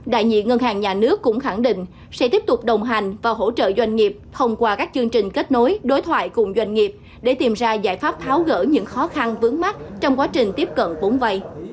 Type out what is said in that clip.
đại diện ngân hàng nhà nước cũng khẳng định sẽ tiếp tục đồng hành và hỗ trợ doanh nghiệp thông qua các chương trình kết nối đối thoại cùng doanh nghiệp để tìm ra giải pháp tháo gỡ những khó khăn vướng mắt trong quá trình tiếp cận vốn vay